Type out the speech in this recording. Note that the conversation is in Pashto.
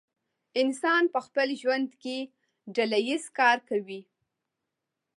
انسان په خپل ژوند کې ډله ایز کار کوي.